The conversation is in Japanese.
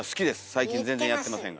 最近全然やってませんが。